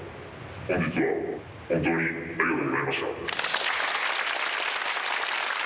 本日は本当にありがとうございました。